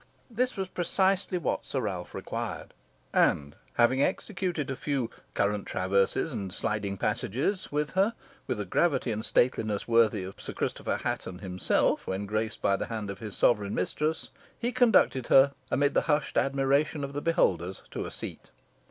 This was precisely what Sir Ralph required, and having executed a few "current traverses and sliding passages" with her, with a gravity and stateliness worthy of Sir Christopher Hatton himself, when graced by the hand of his sovereign mistress, he conducted her, amid the hushed admiration of the beholders, to a seat.